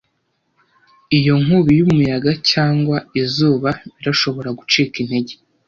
Iyo nkubi y'umuyaga cyangwa izuba birashobora gucika intege